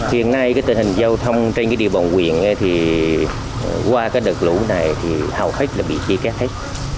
hiện nay tình hình giao thông trên địa bàn huyện qua đợt lũ này hầu hết là bị chia cắt hết